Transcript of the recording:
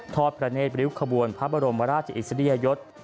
ทอดประเนสริ้วขบวนน์พระบรมราชีสิริยศ